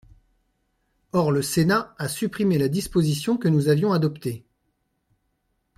Or le Sénat a supprimé la disposition que nous avions adoptée.